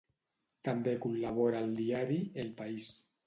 També col·labora al diari El País.